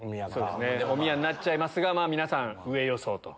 おみやになっちゃいますが皆さん上予想と。